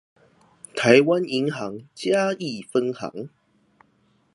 臺灣銀行嘉義分行